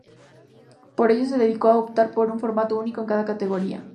Por ello se decidió optar por un formato único en cada categoría.